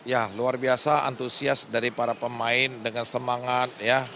ya luar biasa antusias dari para pemain dengan semangat ya